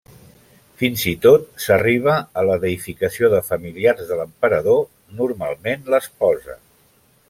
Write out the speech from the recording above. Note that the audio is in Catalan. Fins i tot s'arribà a la deïficació de familiars de l'emperador, normalment l'esposa.